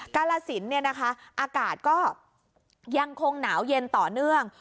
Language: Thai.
กาลสินเนี่ยนะคะอากาศก็ยังคงหนาวเย็นต่อเนื่อง